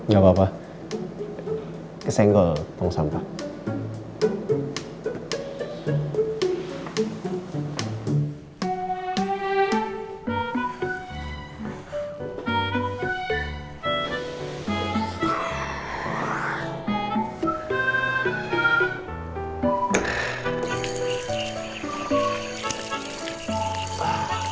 gapapa kesenggel tong sampah